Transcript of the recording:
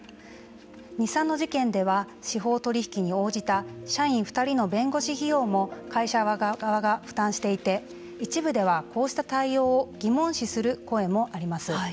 日産の事件では司法取引に応じた社員２人の弁護士費用も会社側が負担していて一部では、こうした対応を疑問視する声もあります。